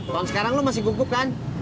tahun sekarang lo masih gubuk kan